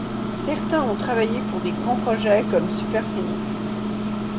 Certains ont travaillé pour des grands projets comme Superphénix.